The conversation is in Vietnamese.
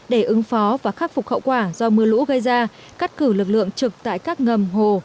để ứng phó và khắc phục hậu quả do mưa lũ gây ra cắt cử lực lượng trực tại các ngầm hồ